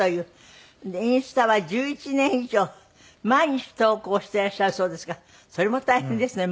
インスタは１１年以上毎日投稿していらっしゃるそうですがそれも大変ですね